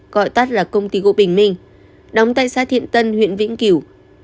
gọi tắt là công ty gỗ bình minh đóng tại xã thiện tân huyện vĩnh cửu